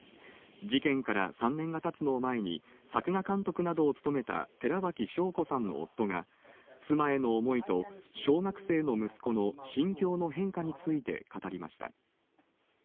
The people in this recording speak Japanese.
事件から３年がたつのを前に、作画監督などを務めた寺脇晶子さんの夫が、妻への思いと、小学生の息子の心境の変化について語りました。